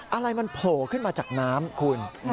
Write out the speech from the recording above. อะไรมันโผล่ขึ้นมาจากน้ำคุณ